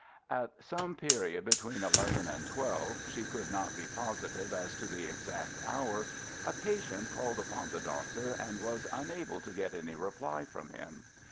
At some period between eleven and twelve (she could not be positive as to the exact hour) a patient called upon the doctor and was unable to get any reply from him.